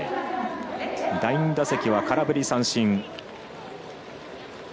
第２打席は空振り三振。